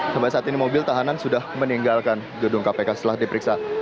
sampai saat ini mobil tahanan sudah meninggalkan gedung kpk setelah diperiksa